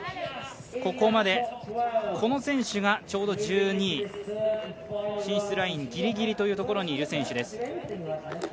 ここまでこの選手がちょうど１２位進出ラインギリギリにいるという選手です。